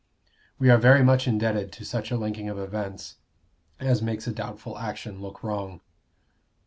We are very much indebted to such a linking of events as makes a doubtful action look wrong.